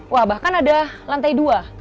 wah bahkan ada lantai dua